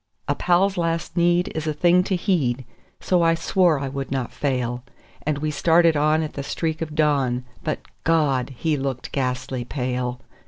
A pal's last need is a thing to heed, so I swore I would not fail; And we started on at the streak of dawn; but God! he looked ghastly pale.